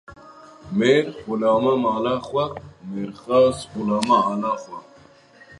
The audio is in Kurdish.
Mêr xulamê mala xwe, mêrxas xulamê ala xwe